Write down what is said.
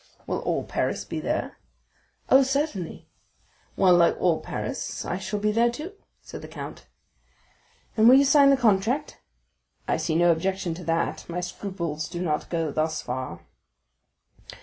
"Will all Paris be there?" "Oh, certainly." "Well, like all Paris, I shall be there too," said the count. "And will you sign the contract?" "I see no objection to that; my scruples do not go thus far."